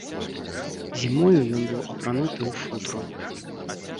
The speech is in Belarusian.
Зімою ён быў апрануты ў футру.